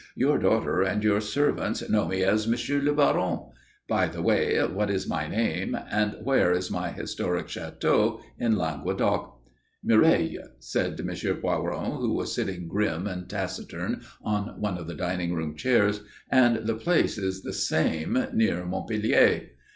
Your daughter and your servants know me as M. le Baron by the way, what is my name? And where is my historic château in Languedoc?" "Mireilles," said M. Poiron, who was sitting grim and taciturn on one of the dining room chairs. "And the place is the same, near Montpellier."